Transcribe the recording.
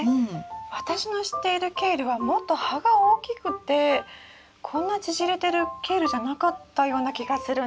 私の知っているケールはもっと葉が大きくてこんな縮れてるケールじゃなかったような気がするんですけど。